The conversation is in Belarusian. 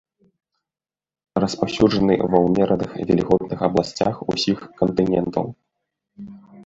Распаўсюджаны ва ўмераных вільготных абласцях усіх кантынентаў.